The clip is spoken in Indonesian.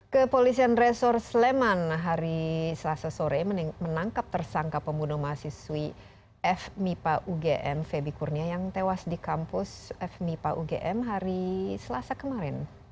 kepolisian resor sleman hari selasa sore menangkap tersangka pembunuh mahasiswi f mipa ugm feby kurnia yang tewas di kampus f mipa ugm hari selasa kemarin